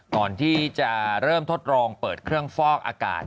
ก่อนที่จะเริ่มทดลองเปิดเครื่องฟอกอากาศ